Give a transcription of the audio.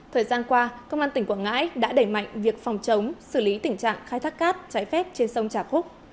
thời gian qua công an tỉnh quảng ngãi đã đẩy mạnh việc phòng chống xử lý tình trạng khai thác cát trái phép trên sông trà khúc